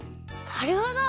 なるほど！